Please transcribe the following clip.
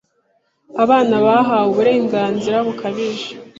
abana bahawe uburenganzira bukabije,